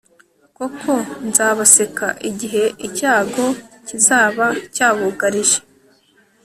koko, nzabaseka igihe icyago kizaba cyabugarije